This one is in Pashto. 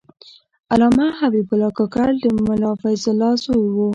علامه حبیب الله کاکړ د ملا فیض الله زوی و.